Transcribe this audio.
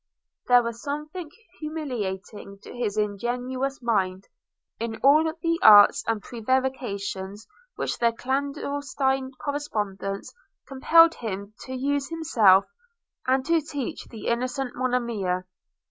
There was something humiliating to his ingenuous mind, in all the arts and prevarications which their clandestine correspondence compelled him to use himself, and to teach the innocent Monimia.